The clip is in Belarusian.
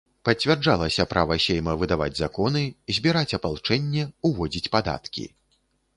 Пацвярджалася права сейма выдаваць законы, збіраць апалчэнне, уводзіць падаткі.